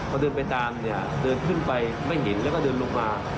พอเดินไปตามเนี่ยเดินขึ้นไปไม่เห็นแล้วก็เดินลงมา